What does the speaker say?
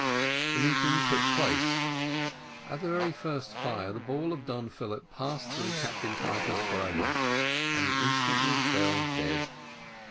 The meeting took place at the first fire the ball of Don Philip passed through Captain Tartar's brain, and he instantly fell dead.